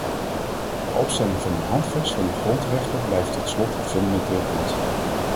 De opstelling van een handvest van de grondrechten blijft tot slot een fundamenteel punt.